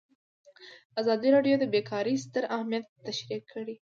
ازادي راډیو د بیکاري ستر اهميت تشریح کړی.